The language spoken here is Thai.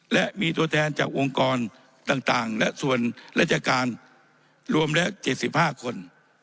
และมีตัวแทนจากองค์กรต่างและส่วนราชการรวมแล้ว๗๕คน